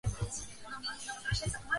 კლიმატი კუნძულებზე ტროპიკულია.